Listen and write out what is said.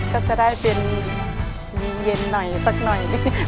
ก็จะได้เป็นเย็นหน่อยสักหน่อย